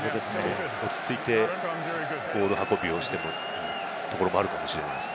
落ち着いてボール運びをしてもらいたいところもあるかもしれません。